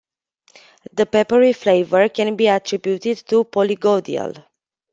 The peppery flavour can be attributed to polygodial.